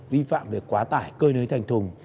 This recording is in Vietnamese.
vi phạm về quá tải cơ nới thành thùng